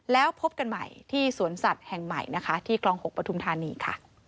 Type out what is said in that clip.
แล้วพบกันใหม่ที่สวนสัตว์แห่งใหม่นะคะที่คลอง๖ปทุมธานีค่ะ